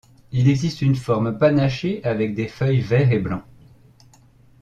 Il existe une forme panachée avec des feuilles vert et blanc.